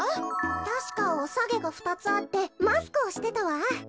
たしかおさげがふたつあってマスクをしてたわ。